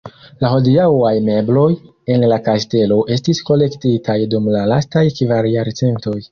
La hodiaŭaj mebloj en la kastelo estis kolektitaj dum la lastaj kvar jarcentoj.